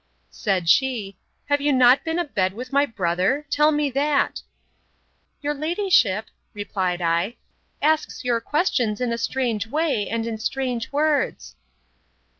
—Said she, Have you not been a bed with my brother? tell me that. Your ladyship, replied I, asks your questions in a strange way, and in strange words.